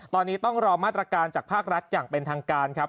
ตอนนี้ต้องรอมาตรการจากภาครัฐอย่างเป็นทางการครับ